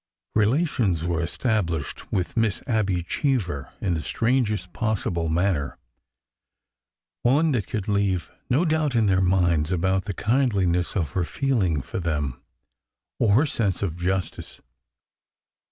Relations were established with Miss Abby Cheever in the strangest possible manner, — one that could leave no 410 ORDER NO. 11 doubt in their minds about the kindliness of her feeling for them, or her sense of justice.